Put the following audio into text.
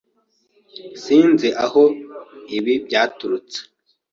Sinzi aho ibi byaturutse.